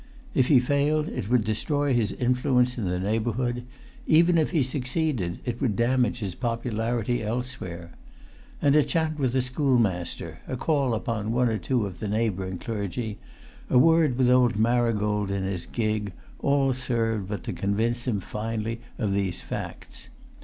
If he failed it would destroy his influence in the neighbourhood; even if he succeeded it would damage his popularity elsewhere. And a chat with the schoolmaster, a call upon one or two of the neighbouring clergy, a word with old Marigold in his gig, all served but to convince him finally of these facts.